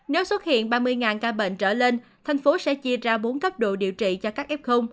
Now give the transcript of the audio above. nếu xuất hiện ba mươi ca bệnh trở lên thành phố sẽ chia ra bốn cấp độ điều trị cho các f